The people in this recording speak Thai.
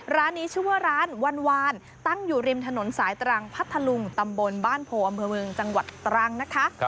ร้านนี้ชื่อว่าร้านวันวานตั้งอยู่ริมถนนสายตรังพัทธลุงตำบลบ้านโพอำเภอเมืองจังหวัดตรังนะคะ